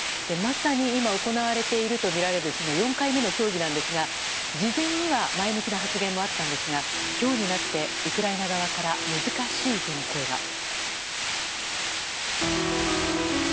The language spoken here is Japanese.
まさに今行われているとみられる４回目の協議なんですが事前には前向きな発言もあったんですが今日になってウクライナ側から難しいとの声が。